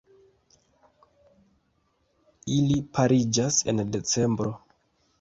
Ili pariĝas en decembro.